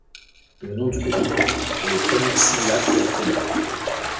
Le nom du groupe est les premières syllabes des prénoms.